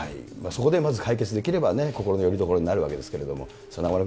そこでまず解決できればね、心のよりどころになるわけですけれども。